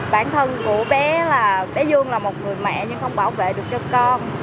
bản thân của bé là bé dương là một người mẹ nhưng không bảo vệ được cho con